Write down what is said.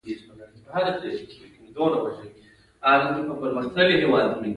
ختیځوال کښې، کې تلفظ کوي، خو لیکنې بڼه يې باید کښې ولیکل شي